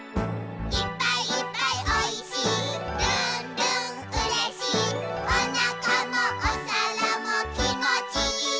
「いっぱいいっぱいおいしいるんるんうれしい」「おなかもおさらもきもちいい」